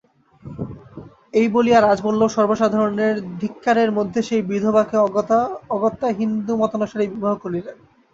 এই বলিয়া রাজবল্লভ সর্বসাধারণের ধিক্কারের মধ্যে সেই বিধবাকে অগত্যা হিন্দুমতানুসারে বিবাহ করিলেন।